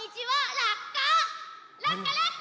ラッカラッカ！